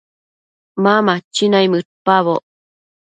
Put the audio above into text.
Ma machi naimëdpaboc